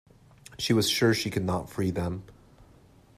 She was sure she could not free them.